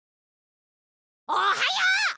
おはよう！